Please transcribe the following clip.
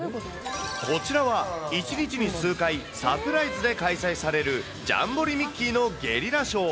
こちらは１にちにすうかいサプライズで開催されるジャンボリミッキーのゲリラショー。